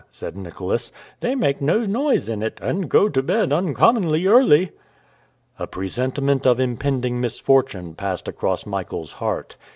said Nicholas. "They make no noise in it, and go to bed uncommonly early!" A presentiment of impending misfortune passed across Michael's heart.